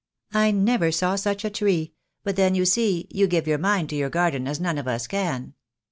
"I never saw such a tree; but then, you see, you give your mind to your garden as none of us can."